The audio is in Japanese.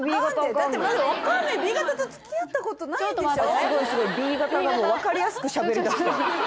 だってまだ分かんないＢ型とつきあったことないんでしょ？